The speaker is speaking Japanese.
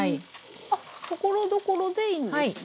あっところどころでいいんですね。